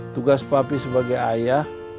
tugas papi sebagai ayah